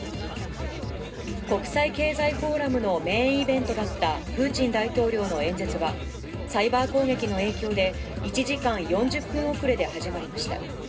国際経済フォーラムのメインイベントだったプーチン大統領の演説は、サイバー攻撃の影響で、１時間４０分遅れで始まりました。